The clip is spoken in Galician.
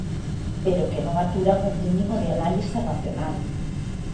Pero que non aturan un mínimo de análise racional.